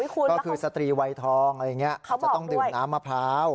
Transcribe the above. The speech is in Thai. ก็คือสตรีวัยทองจะต้องดื่มน้ำมะพร้าว